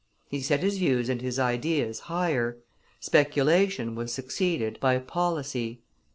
He set his views and his ideas higher. Speculation was succeeded by policy.